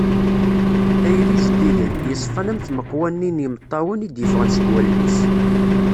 Tayri zeddigen, yeṣfan am tmeqwa-nni n yimeṭṭawen i d-yeffɣen seg wallen-is.